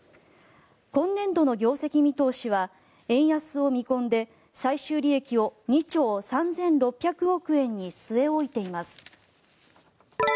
今年度の業績見通しは円安を見込んで最終利益を２兆３６００億円に据え置いています。